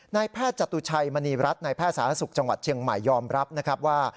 นายแพทย์จตุชัยมณีรัฐในแพทย์สาธารณสุขจังหวัดเชียงใหม่ยอมรับนะครับว่า